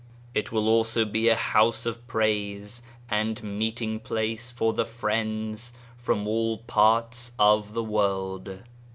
It will also be a House of Praise and meeting place for the Friends from all parts of the world.